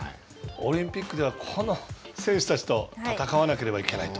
オリンピックでは、この選手たちと戦わなければいけないと。